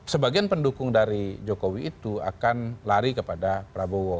sebagian pendukung dari jokowi itu akan lari kepada prabowo